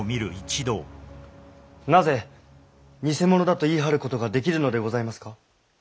なぜ偽物だと言い張ることができるのでございますか？